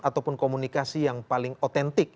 ataupun komunikasi yang paling otentik